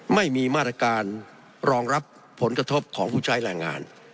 ไม่มีมาตรการรองรับผลกระทบของผู้ใช้แรงงาน